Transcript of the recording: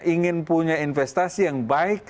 ingin punya investasi yang baik